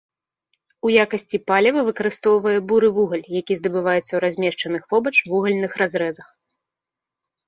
У якасці паліва выкарыстоўвае буры вугаль, які здабываецца ў размешчаных побач вугальных разрэзах.